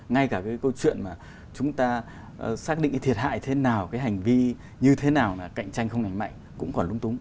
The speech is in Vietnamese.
ngay cả cái câu chuyện mà chúng ta xác định cái thiệt hại thế nào cái hành vi như thế nào là cạnh tranh không lành mạnh cũng còn lung túng